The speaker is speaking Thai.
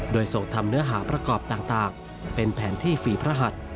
โดยส่งทำเนื้อหาประกอบต่างเป็นแผนที่ฝีพระหัส